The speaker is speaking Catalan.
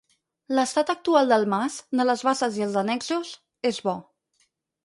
L’estat actual del mas, de les basses i els annexos, és bo.